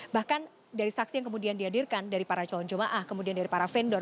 bahkan dari saksi yang kemudian dihadirkan dari para calon jemaah kemudian dari para vendor